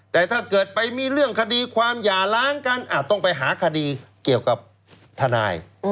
แต่ถ้าเกิดไปมีเรื่องคดีความหย่าล้างกันต้องไปหาคดีเกี่ยวกับทนาย